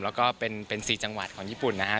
แล้วก็เป็น๔จังหวัดของญี่ปุ่นนะฮะ